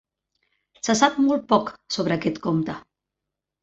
Se sap molt poc sobre aquest comte.